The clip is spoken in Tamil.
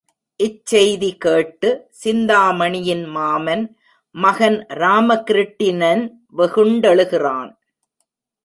இச்செய்தி கேட்டு, சிந்தாமணியின் மாமன், மகன் ராமகிருட்டிணன் வெகுண்டெழுகிறான்.